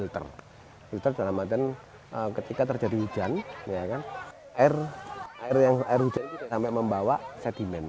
ketika terjadi hujan air hujan itu sampai membawa sedimen